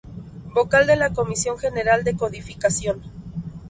Vocal de la Comisión General de Codificación.